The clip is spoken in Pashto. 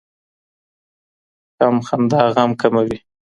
کم خندا غم کموي